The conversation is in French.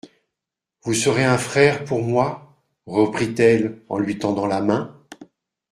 Vous serez un frère pour moi ? reprit-elle en lui tendant la main.